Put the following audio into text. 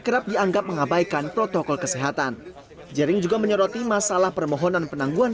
kerap dianggap mengabaikan protokol kesehatan jaring juga menyoroti masalah permohonan penangguhan